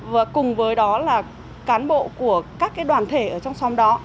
và cùng với đó là cán bộ của các cái đoàn thể ở trong xóm đó